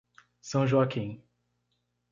São Joaquim